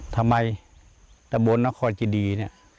ทำไมตะบนนครจิดีนี่